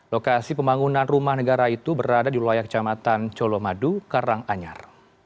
lokasi pembangunan rumah negara itu berada di wilayah kecamatan colomadu karanganyar